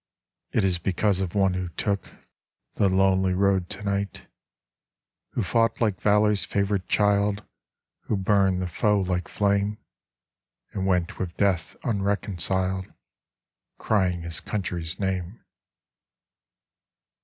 It is because of one who took The lonely road tonight : Who fought like valor's favorite child, Who burned the foe like flame, And went with Death unreconciled Crying his country's name.